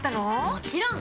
もちろん！